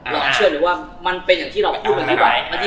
เพื่อนเชิญเราคิดแบบเธอ